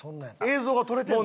映像が撮れてるの？